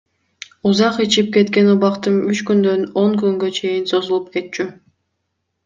Узак ичип кеткен убактым үч күндөн он күнгө чейин созулуп кетчү.